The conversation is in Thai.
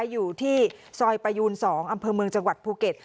อยู่ที่ซอยประยูน๒อำเภอเมืองจังหวัดภูเก็ต